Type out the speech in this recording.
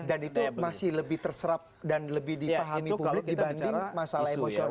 dan itu masih lebih terserap dan lebih dipahami publik dibanding masalah emosional